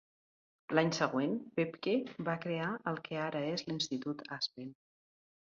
L'any següent, Paepcke va crear el que ara és l'Institut Aspen.